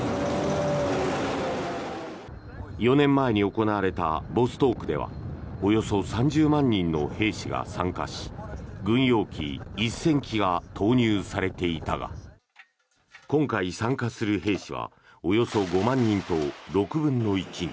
４年前に行われたボストークではおよそ３０万人の兵士が参加し軍用機１０００機が投入されていたが今回参加する兵士はおよそ５万人と６分の１。